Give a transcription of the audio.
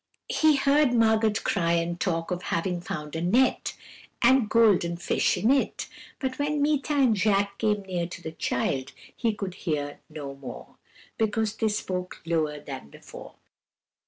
"He heard Margot cry and talk of having found a net, and golden fish in it; but when Meeta and Jacques came near to the child, he could hear no more, because they spoke lower than before.